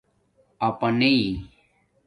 اپانݵ